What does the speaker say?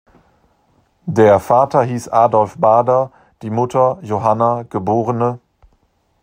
Der Vater hieß Adolf Baader, die Mutter Johanna geb.